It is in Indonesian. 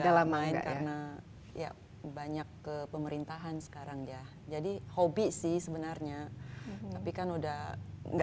udah lama gak main karena banyak ke pemerintahan sekarang ya jadi hobi sih sebenarnya tapi kan udah gak